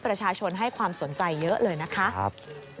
ประชาชนให้ความสนใจเยอะเลยนะคะ